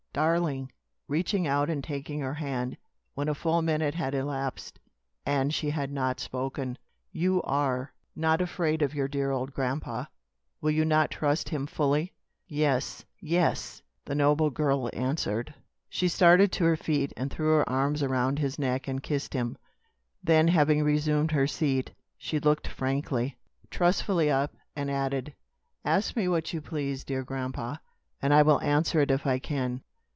darling!" reaching out and taking her hand, when a full minute had elapsed and she had not spoken. "You are not afraid of your dear old grandpa. Will you not trust him fully?" "Yes, yes!" the noble girl answered. She started to her feet, and threw her arms around his neck and kissed him; then having resumed her seat, she looked frankly, trustfully up, and added: "Ask me what you please, dear grandpa, and I will answer if I can."